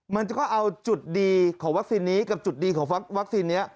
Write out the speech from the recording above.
มันก็เอาจุดดีของวัคซีนนี้กับจุดดีของวัคซีนนี้